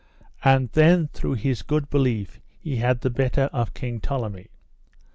And then through his good belief he had the better of King Tolleme.